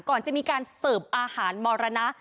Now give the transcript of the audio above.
ก่อนจะมีการเสิร์ฟอาหารมรณะ